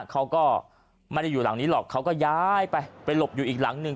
เขาก็ไม่ได้อยู่หลังนี้หรอกเขาก็ย้ายไปไปหลบอยู่อีกหลังหนึ่ง